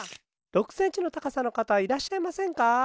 ６センチのたかさの方はいらっしゃいませんか？